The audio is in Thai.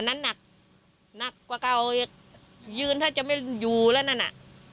นั้นหนักหนักกว่าเก่ายืนถ้าจะไม่อยู่แล้วนั่นน่ะ